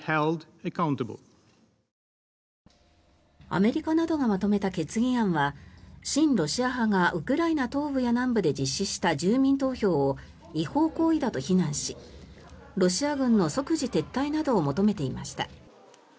アメリカなどがまとめた決議案は親ロシア派がウクライナ東部や南部で実施した住民投票を違法行為だと非難しロシア軍の即時撤退などを求めていました。